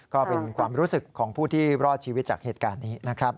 ก็เป็นความรู้สึกของผู้ที่รอดชีวิตจากเหตุการณ์นี้นะครับ